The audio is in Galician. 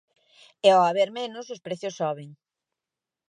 E ao haber menos, os prezos soben.